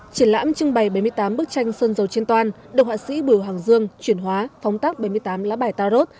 triển lãm trưng bày bảy mươi tám bức tranh sơn dầu trên toàn được họa sĩ bùi hoàng dương chuyển hóa phóng tác bảy mươi tám lá bài tarot